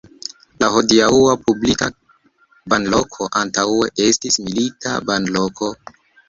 La hodiaŭa publika banloko antaŭe estis milita banloko.